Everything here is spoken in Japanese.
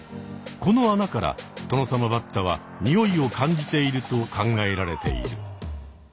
この穴からトノサマバッタはにおいを感じていると考えられている。